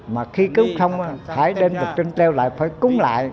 mà khi cúng không là phải đem vật trình leo lại phải cúng lại